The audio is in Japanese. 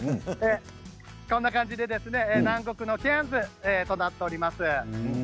こんな感じで南国のケアンズとなっております。